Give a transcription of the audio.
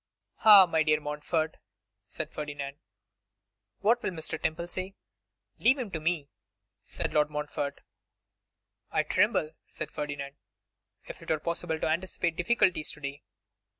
'Ah! my dear Montfort,' said Ferdinand, 'what will Mr. Temple say?' 'Leave him to me,' said Lord Montfort. 'I tremble,' said Ferdinand, 'if it were possible to anticipate difficulties to day.